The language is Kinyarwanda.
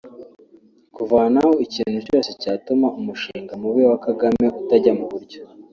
kuvanaho ikintu cyose cyatuma umushinga mubi wa Kagame utajya mu buryo